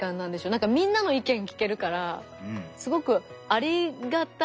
なんかみんなの意見聞けるからすごくありがたいですね。